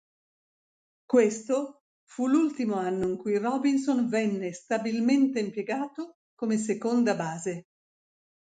Questo fu l'ultimo anno in cui Robinson venne stabilmente impiegato come seconda base.